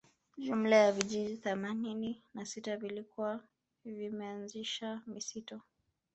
Jumla ya vijiji themanini na sita vilikuwa vimeanzisha misitu